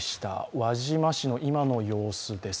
輪島市の今の様子です。